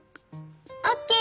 オッケー！